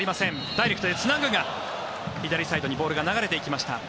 ダイレクトでつなぐが左サイドにボールが流れていきました。